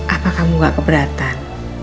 apa kamu gak keberatan